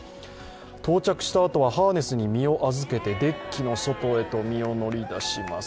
到着したあとはハーネスに身をあずけて、デッキの外へと身を乗り出します。